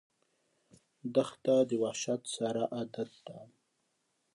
دښته د وحشت سره عادت ده.